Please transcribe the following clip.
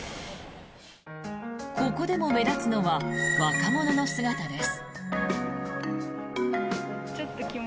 ここでも目立つのは若者の姿です。